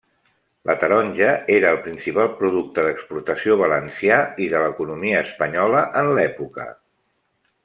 La taronja era el principal producte d'exportació valencià i de l'economia espanyola en l'època.